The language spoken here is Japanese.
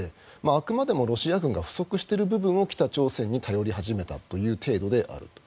あくまでもロシア軍が不足している部分を北朝鮮に頼り始めたという程度であると。